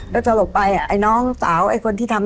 แล้วสรภปร่อยไอน้องสาวไอคนที่ทำ้ง